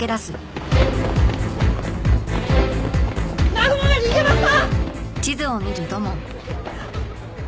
南雲が逃げました！